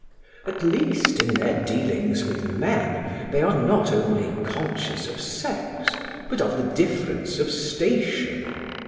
At least, in their dealings with men they are not only conscious of sex, but of the difference of station.